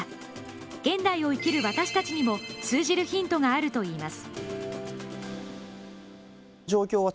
現代を生きる私たちにも通じるヒントがあるといいます。